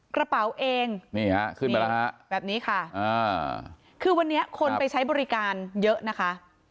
กระเป๋าเองนี่ฮะขึ้นมาแล้วฮะแบบนี้ค่ะคือวันนี้คนไปใช้บริการเยอะนะคะ